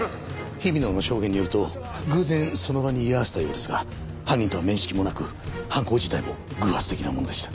日比野の証言によると偶然その場に居合わせたようですが犯人とは面識もなく犯行自体も偶発的なものでした。